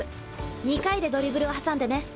２回でドリブルを挟んでね。